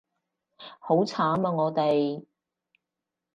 好慘啊我哋